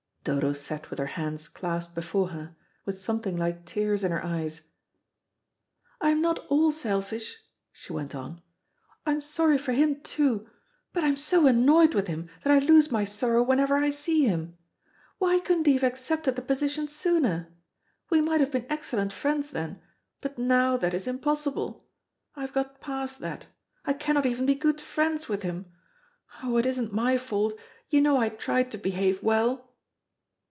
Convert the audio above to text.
Dodo sat with her hands clasped before her, with something like tears in her eyes. "I am not all selfish," she went on; "I am sorry for him, too, but I am so annoyed with him that I lose my sorrow whenever I see him. Why couldn't he have accepted the position sooner? We might have been excellent friends then, but now that is impossible. I have got past that. I cannot even be good friends with him. Oh, it isn't my fault; you know I tried to behave well."